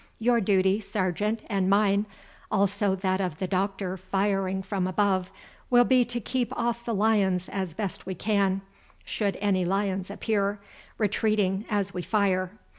Your duty, Sergeant, and mine, also that of the Doctor firing from above, will be to keep off the lions as best we can, should any lions appear, retreating as we fire.